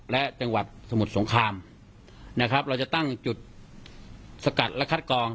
และจังหวัดสมุทรสงครามนะครับเราจะตั้งจุดสกัดและคัดกอง